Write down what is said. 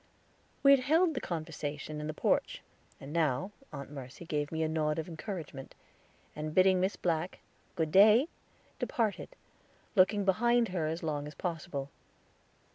We had held the conversation in the porch, and now Aunt Mercy gave me a nod of encouragement, and bidding Miss Black "Good day," departed, looking behind her as long as possible.